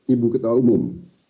ibu ketua umum